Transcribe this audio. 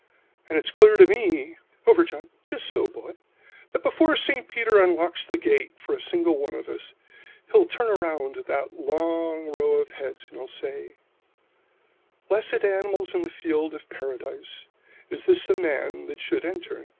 "And it's clear to me over, John! so, boy! that before St. Peter unlocks the gate for a single one of us, he'll turn around to that long row of heads, and he'll say: "'Blessed animals in the fields of Paradise, is this a man that should enter in?'